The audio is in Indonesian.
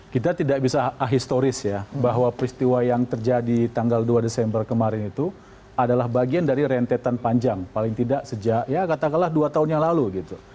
kita tidak bisa ahistoris ya bahwa peristiwa yang terjadi tanggal dua desember kemarin itu adalah bagian dari rentetan panjang paling tidak sejak ya katakanlah dua tahun yang lalu gitu